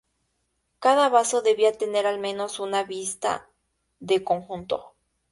Cada vaso debía tener al menos una vista de conjunto.